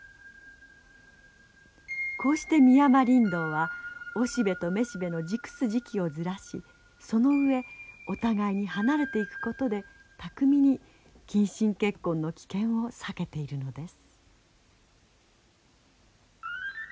こうしてミヤマリンドウはオシベとメシベの熟す時期をずらしその上お互いに離れていくことで巧みに近親結婚の危険を避けているのです。